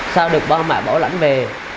sau đó được ba mẹ bỏ lãnh về